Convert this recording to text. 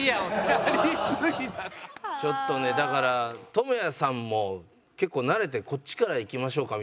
ちょっとねだからＴＯＭＯＹＡさんも結構慣れてこっちからいきましょうか？